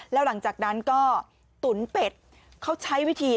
แล้วหลังจากนั้นก็ตุ๋นเป็ดเขาใช้วิธี